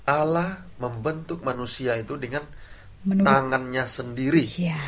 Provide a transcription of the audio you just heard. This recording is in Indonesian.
ala membentuk manusia itu dengan tangannya sendiri